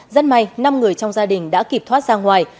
rất may năm người trong gia đình đã kịp thoát ra ngoài